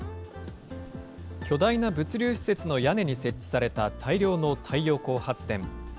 巨大な物流施設の屋根に設置された大量の太陽光発電。